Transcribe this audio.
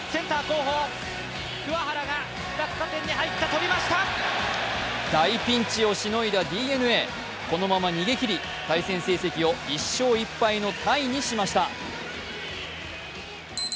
そして大ピンチをしのいだＤｅＮＡ、このまま逃げきり対戦成績を１勝１敗のタイにしました。